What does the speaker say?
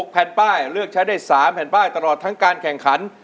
แผ่นป้ายเลือกใช้ได้๓แผ่นป้ายตลอดทั้งการแข่งขัน